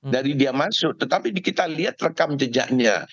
dari dia masuk tetapi kita lihat rekam jejaknya